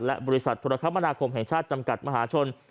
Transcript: และบริษัทธุรกรรมนาคมแห่งชาติจำกัดมหาชน